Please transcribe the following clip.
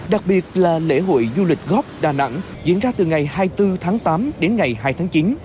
đặc biệt là lễ hội du lịch góp đà nẵng diễn ra từ ngày hai mươi bốn tháng tám đến ngày hai tháng chín